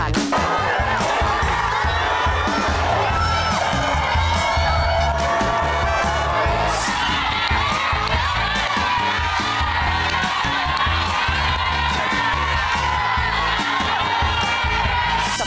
๑ล้านบาท